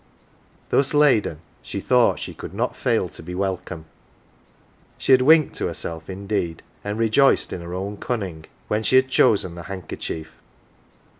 Thus laden, she thought she could not fail to be welcome she had winked to herself indeed, and rejoiced in her own cunning, when she had chosen the handkerchief.